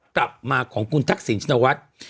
กลับมาของคุณทักษิณชินวัฒน์